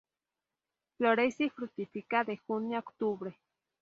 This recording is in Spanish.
Florece y fructifica de junio a Octubre.